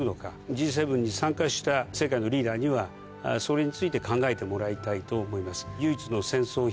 Ｇ７に参加した世界のリーダーにはそれについて考えてもらいたいと思います。